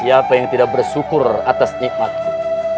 siapa yang tidak bersyukur atas nikmatku